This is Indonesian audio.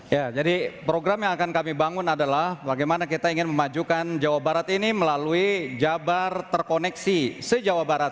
ya jadi program yang akan kami bangun adalah bagaimana kita ingin memajukan jawa barat ini melalui jabar terkoneksi se jawa barat